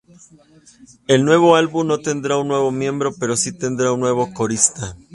El nuevo álbum no tendrá un nuevo miembro pero si tendría un nuevo corista.